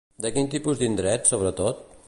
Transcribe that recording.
De quin tipus d'indrets, sobretot?